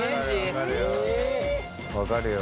分かるよ。